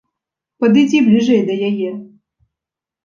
Падыдзі бліжэй да яе.